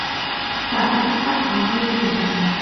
就不得不講呢條喇